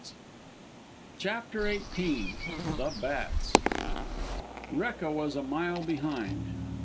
CHAPTER XVIII THE BATS Rekka was a mile behind.